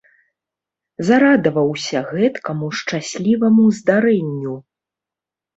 Зарадаваўся гэткаму шчасліваму здарэнню.